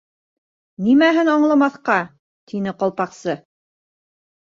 —Нимәһен аңламаҫҡа, —тине Ҡалпаҡсы.